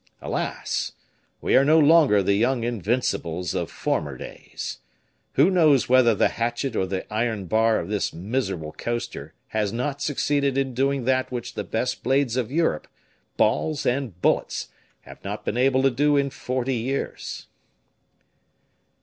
Alas! we are no longer the young invincibles of former days. Who knows whether the hatchet or the iron bar of this miserable coaster has not succeeded in doing that which the best blades of Europe, balls, and bullets have not been able to do in forty years?"